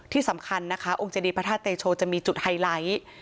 ที่สำคัญนะคะองค์เจดีพระธาตุเตโชจะมีจุดไฮไลท์